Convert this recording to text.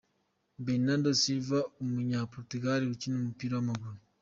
Bernardo Silva, umunya Portugal ukina umupira w’amaguru.